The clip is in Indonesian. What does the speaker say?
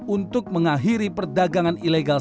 untuk mengakhiri perdagangan ilegal